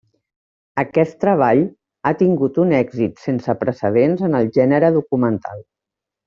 Aquest treball ha tingut un èxit sense precedents en el gènere documental.